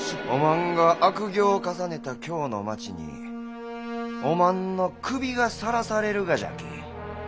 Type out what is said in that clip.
おまんが悪行を重ねた京の町におまんの首がさらされるがじゃき。